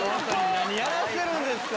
何やらしてるんですか！